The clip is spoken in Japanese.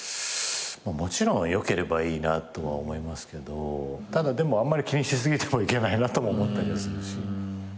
もちろん良ければいいなとは思いますけどあんまり気にしすぎてもいけないなとも思ったりはするし。